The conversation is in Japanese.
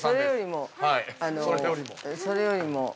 ◆それよりも。